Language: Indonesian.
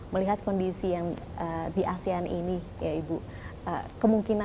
melihat kondisi yang di asean ini